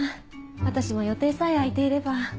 私も予定さえ空いていれば。